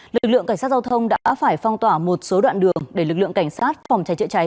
lực lượng cảnh sát giao thông đã phải phong tỏa một số đoạn đường để lực lượng cảnh sát phòng cháy chữa cháy